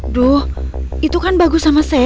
aduh itu kan bagus sama sally